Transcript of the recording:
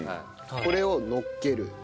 これをのっける。